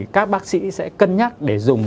các bác sĩ sẽ cân nhắc để dùng